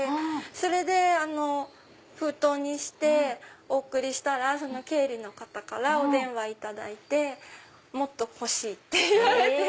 それで封筒にしてお送りしたら経理の方からお電話いただいて「もっと欲しい」って言われて。